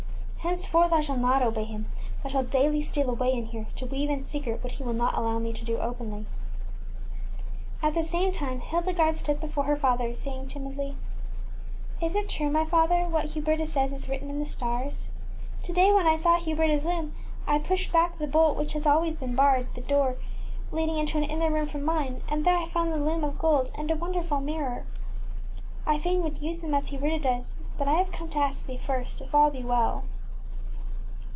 Henceforth I shall not obey him, but shall daily steal away in here, to weave in secret what he will not allow me to do openly. ŌĆÖ At the same time, Hil degarde stood before her father, saying, timidly, ŌĆśIs it true, my father, what Huberta says is written in the stars? To day when m Craters* I saw HubertaŌĆÖs loom I pushed back the bolt which has always barred the door leading into an inner room from mine, and there I found the loom of gold and a won derful mirror. I fain would use them as Hu berta does, but I have come to ask thee first, if all be well.